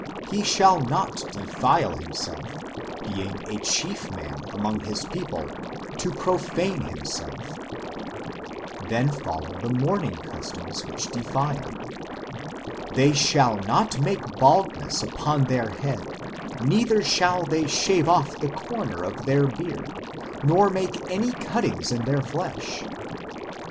He shall not defile himself, being a chief man among his people, to profane himself "; then follow the mourning customs which defile :" They shall not make baldness upon their head, neither shall they shave off the corner of their beard, nor make any cuttings in their flesh."